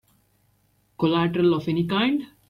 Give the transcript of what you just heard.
Collateral of any kind?